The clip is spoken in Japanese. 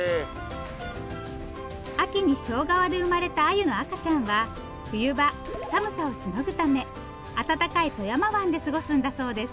秋に庄川で生まれたアユの赤ちゃんは冬場寒さをしのぐため温かい富山湾で過ごすんだそうです。